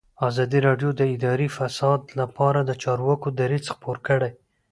ازادي راډیو د اداري فساد لپاره د چارواکو دریځ خپور کړی.